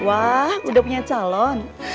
wah udah punya calon